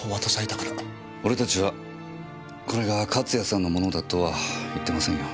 俺たちはこれが勝谷さんの物だとは言ってませんよ。